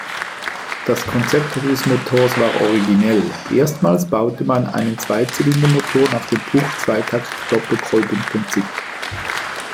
Das Konzept des Motors war originell: Erstmals baute man einen Zweizylindermotor nach dem Puch-Zweitakt-Doppelkolbenprinzip.